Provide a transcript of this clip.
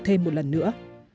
thêm một lần nữa